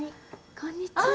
こんにちは。